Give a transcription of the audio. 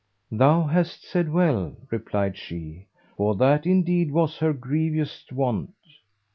'Thou hast said well,' replied she; 'for that indeed was her grievousest want.'